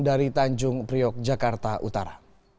dari tanjung priok jakarta utara